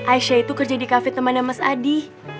aisyah itu kerja di kafe temannya mas adi